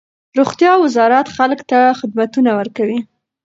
روغتیا وزارت خلک ته خدمتونه ورکوي.